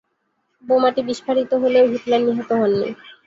বোমাটি বিস্ফোরিত হলেও হিটলার নিহত হননি।